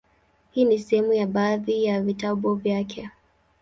Hii ni sehemu ya baadhi ya vitabu vyake;